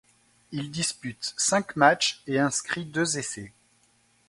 Il dispute cinq matchs et inscrit deux essais.